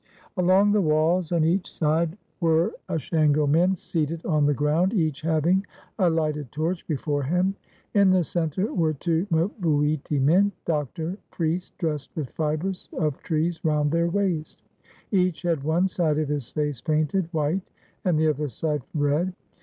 Along the walls on each side were Ashango men seated on the ground, each having a lighted torch before him. In the center were two mbuiti men (doctor, priest) dressed with fibers of trees round their waist; each had one side of his face painted white and the other side red.